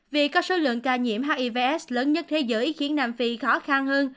vì có số lượng ca nhiễm hivs lớn nhất thế giới khiến nam phi khó khăn hơn